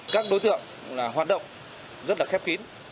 các đối tượng hoạt động rất là khép kín